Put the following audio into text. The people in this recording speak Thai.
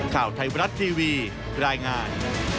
ข่าวไทยบรัฐทีวีรายงาน